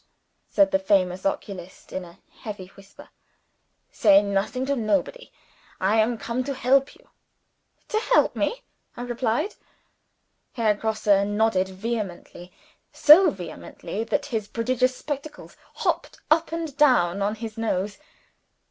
said the famous oculist in a heavy whisper. "Say nothing to nobody. I am come to help you." "To help me?" I repeated. Herr Grosse nodded vehemently so vehemently that his prodigious spectacles hopped up and down on his nose.